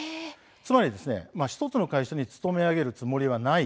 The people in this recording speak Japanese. つまり１つの会社で勤め上げるつもりはない。